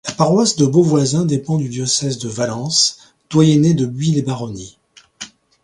La paroisse de Beauvoisin dépend du diocèse de Valence, doyenné de Buis-les-Baronnies.